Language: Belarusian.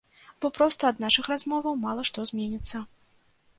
Бо проста ад нашых размоваў мала што зменіцца.